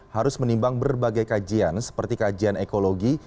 harus menimbang berbagai kajian seperti kajian ekologi